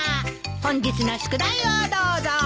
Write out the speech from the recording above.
本日の宿題をどうぞ！